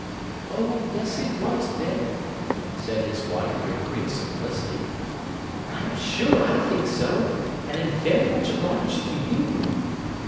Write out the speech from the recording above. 'Oh yes it was, Ben,' said his wife, with great simplicity; 'I'm sure I think so, and am very much obliged to you.